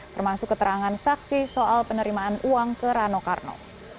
termasuk keterangan saksi soal penerimaan uang ke rano karno